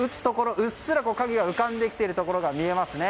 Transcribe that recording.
うっすら影が浮かんできているところが見えますね。